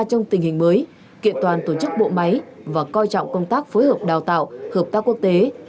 trong tình hình mới kiện toàn tổ chức bộ máy và coi trọng công tác phối hợp đào tạo hợp tác quốc tế